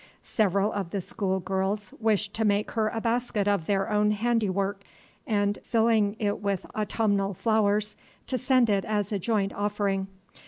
Several of the school girls wished to make her a basket of their own handiwork, and, filling it with autumnal flowers, to send it as a joint offering.